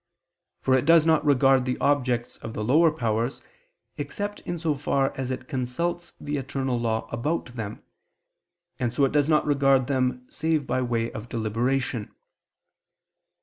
For it does not regard the objects of the lower powers, except in so far as it consults the eternal law about them, and so it does not regard them save by way of deliberation.